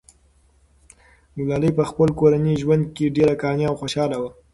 ګلالۍ په خپل کورني ژوند کې ډېره قانع او خوشحاله وه.